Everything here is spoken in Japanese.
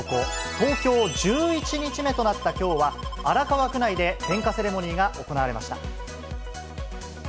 東京１１日目となったきょうは、荒川区内で点火セレモニーが行われました。